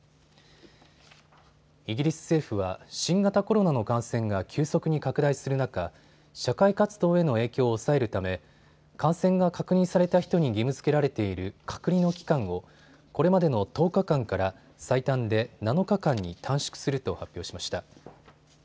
イギリス政府は新型コロナの感染が急速に拡大する中、社会活動への影響を抑えるため感染が確認された人に義務づけられている隔離の期間をこれまでの１０日間から最短で７日間に短縮すると発表しました。